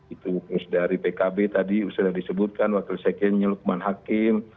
itu dari pkb tadi sudah disebutkan wakil sekjennya lukman hakim